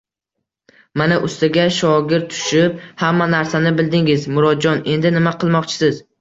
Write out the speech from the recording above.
Mana, ustaga shogird tushib hamma narsani bildingiz, Murodjon! Endi nima qilmoqchisiz?